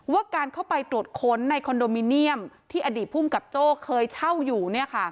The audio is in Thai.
ว่าการเข้าไปตรวจค้นในคอนโดมิเนียมที่อดีตภูมิกับโจ้เคยเช่าอยู่